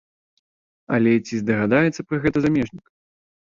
Але ці здагадаецца пра гэта замежнік?